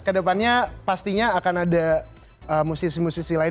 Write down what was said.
kedepannya pastinya akan ada musisi musisi lain